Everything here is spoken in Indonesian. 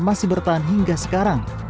masih bertahan hingga sekarang